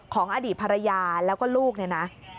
อดีตภรรยาแล้วก็ลูกเนี่ยนะ